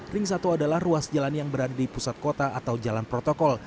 ring satu adalah ruas jalan yang berada di pusat kota atau jalan protokol